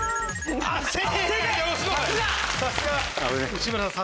内村さん